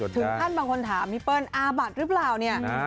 ถึงท่านบางคนถามมิเปิ้ลอาบัดหรือไม่